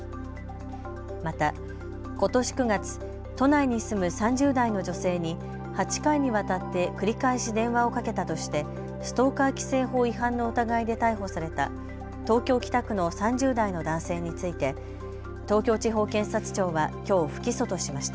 またことし９月、都内に住む３０代の女性に８回にわたって繰り返し電話をかけたとしてストーカー規制法違反の疑いで逮捕された東京北区の３０代の男性について東京地方検察庁はきょう不起訴としました。